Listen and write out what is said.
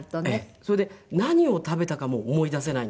それで何を食べたかも思い出せないんですよ。